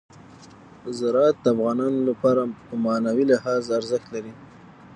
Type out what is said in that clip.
زراعت د افغانانو لپاره په معنوي لحاظ ارزښت لري.